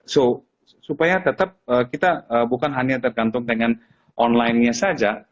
so supaya tetap kita bukan hanya tergantung dengan online nya saja